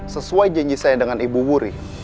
sesuai janji saya dengan ibu wuri